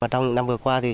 trong năm vừa qua thì do